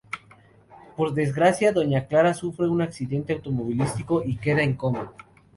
Por desgracia, doña Clara sufre un accidente automovilístico y queda en coma.